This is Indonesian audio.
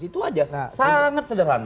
itu aja sangat sederhana